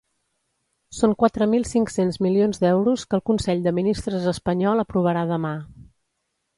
Són quatre mil cinc-cents milions d’euros que el consell de ministres espanyol aprovarà demà.